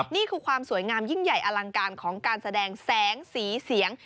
นี่คือความสวยงามยิ่งใหญ่อลังการของการแสดงแสงสีเสียง